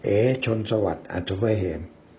เอชนสวรรค์อัตโภเฮม